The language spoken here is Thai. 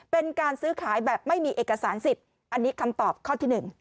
เป็นการซื้อขายแบบไม่มีเอกสารสิทธิ์อันนี้คำตอบข้อที่๑